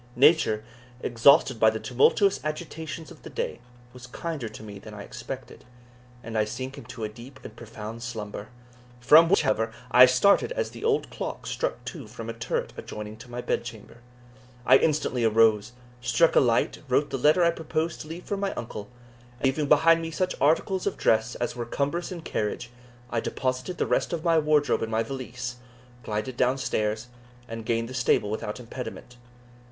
Nature, exhausted by the tumultuous agitations of the day, was kinder to me than I expected, and I sank into a deep and profound slumber, from which, however, I started as the old clock struck two from a turret adjoining to my bedchamber. I instantly arose, struck a light, wrote the letter I proposed to leave for my uncle, and leaving behind me such articles of dress as were cumbrous in carriage, I deposited the rest of my wardrobe in my valise, glided down stairs, and gained the stable without impediment.